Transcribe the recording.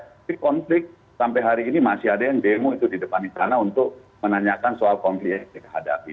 tapi konflik sampai hari ini masih ada yang demo itu di depan istana untuk menanyakan soal konflik yang kita hadapi